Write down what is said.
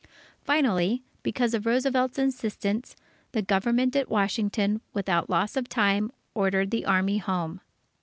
Finally, because of Roosevelt's insistence, the Government at Washington, without loss of time, ordered the Army home.